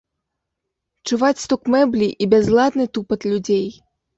Чуваць стук мэблі і бязладны тупат людзей.